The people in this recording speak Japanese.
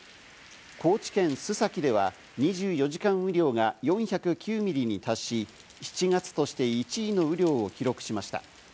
高知県須崎では２４時間雨量が４０９ミリに達し、７月として１位の雨量を記録しました。